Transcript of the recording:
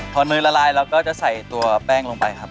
พอเนยละลายเราก็จะใส่ตัวแป้งลงไปครับ